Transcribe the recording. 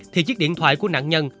thì chiếc điện thoại của nạn nhân